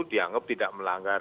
dianggap tidak melanggar